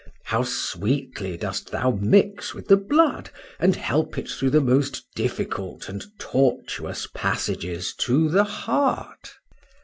how sweetly dost thou mix with the blood, and help it through the most difficult and tortuous passages to the heart!